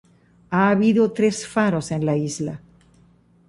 Ha habido tres faros en la isla.